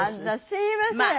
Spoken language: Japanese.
すいません。